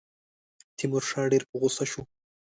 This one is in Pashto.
تیمورشاه ډېر په غوسه شو.